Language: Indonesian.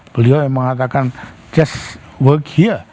beliau yang mengatakan just work here